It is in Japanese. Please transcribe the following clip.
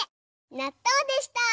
なっとうでした！